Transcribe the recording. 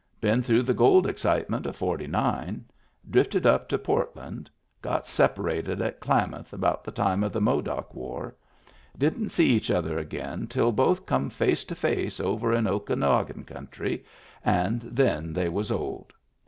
Been through the gold excitement of '49. Drifted up to Port land. Got separated at Klamath about the time of the Modoc War. Didn't see each other again till both come face to face over in the Okanogan country — and then they was old.